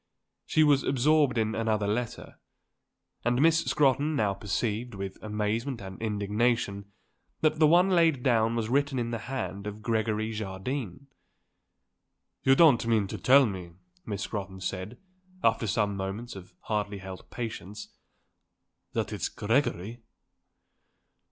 She was absorbed in another letter. And Miss Scrotton now perceived, with amazement and indignation, that the one laid down was written in the hand of Gregory Jardine. "You don't mean to tell me," Miss Scrotton said, after some moments of hardly held patience, "that it's Gregory?"